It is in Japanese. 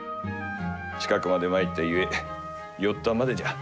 近くまで参ったゆえ寄ったまでじゃ。